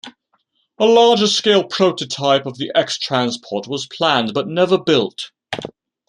A larger scale prototype of the X transport was planned but never built.